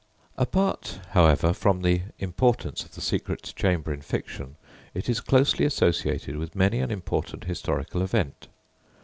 Apart, however, from the importance of the secret chamber in fiction, it is closely associated with many an important historical event.